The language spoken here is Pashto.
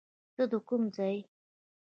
ته د کم ځای یې